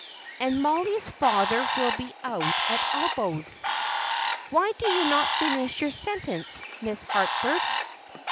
"And Mollie's father will be out at elbows. Why do you not finish your sentence, Miss Harford?"